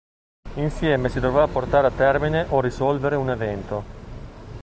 Insieme si dovrà portare a termine o risolvere un evento.